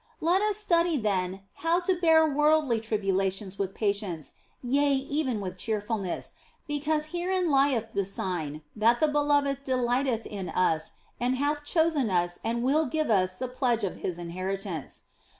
Let us study, then, how to bear worldly tribulations with patience, yea, even with cheerfulness, because herein lieth the sign that the Beloved delighteth in us and hath chosen us and will give us the pledge of His inheritance.